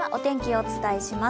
お伝えします。